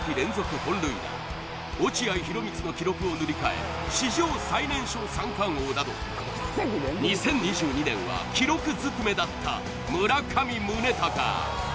本塁打落合博満の記録を塗り変え史上最年少三冠王など２０２２年は記録ずくめだった村上宗隆